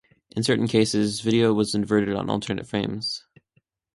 In certain cases, video was inverted on alternate frames.